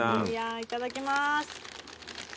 いただきます。